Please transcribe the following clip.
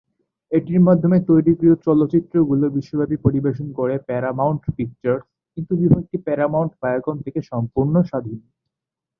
এটির মাধ্যমে তৈরিকৃত চলচ্চিত্রগুলো বিশ্বব্যাপী পরিবেশন করে প্যারামাউন্ট পিকচার্স, কিন্ত বিভাগটি প্যরামাউন্ট/ভায়াকম থেকে সম্পূর্ণ স্বাধীন।